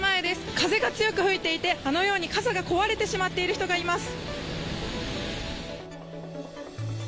風が強く吹いていて、あのように傘が壊れてしまっている人がいます。